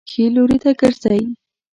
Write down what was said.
ښي لوري ته ګرځئ